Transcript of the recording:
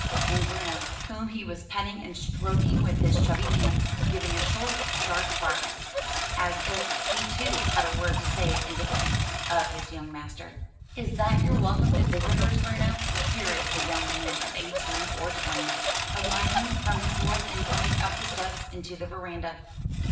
and Bruno, whom he was petting and stroking with his chubby hands, giving a short, sharp bark, as if he too had a word to say in defence of his young master. "Is that your welcome to visitors, Bruno?" queried a young man of eighteen or twenty, alighting from his horse and coming up the steps into the veranda.